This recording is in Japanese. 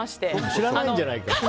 知らないんじゃないか。